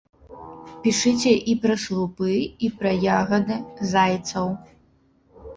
Пішыце і пра слупы, і пра ягады, зайцаў.